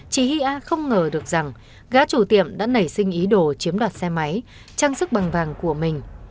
chị hia không ngờ được rằng gá chủ tiệm đã nảy sinh ý đồ chiếm đoạt xe máy trang sức bằng vàng của mình